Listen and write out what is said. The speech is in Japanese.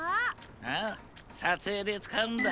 ああさつえいでつかうんだ。